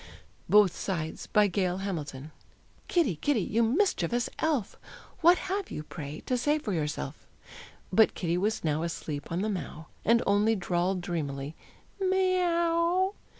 BOTH SIDES. BY GAIL HAMILTON. "Kitty, Kitty, you mischievous elf, What have you, pray, to say for yourself?" But Kitty was now Asleep on the mow, And only drawled dreamily, "Ma e ow!"